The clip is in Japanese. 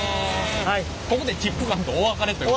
ここでチップ管とお別れということ。